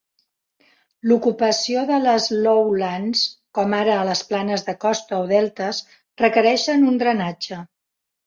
L'ocupació de les Lowlands, com ara a les planes de costa o deltes, requereixen un drenatge.